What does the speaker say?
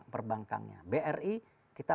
perbankannya bri kita